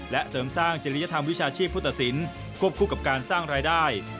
และเสริมสร้างจริยธรรมวิชาชีพผู้ตัดสินควบคู่กับการสร้างรายได้